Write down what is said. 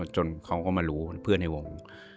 จนเขาก็มารู้เพื่อนในวง